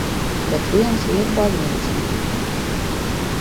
Bet viens iet baznīcā.